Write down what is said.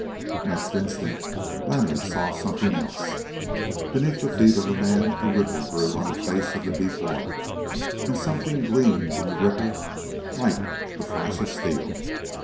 Next instant Leonard saw something else. Beneath the feet of the man a ripple grew on the face of the deep water, and something gleamed in the ripple like to the flash of steel.